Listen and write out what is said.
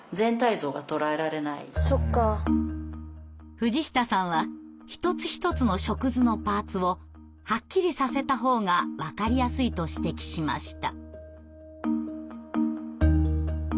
藤下さんは一つ一つの触図のパーツをはっきりさせた方が分かりやすいと指摘しました。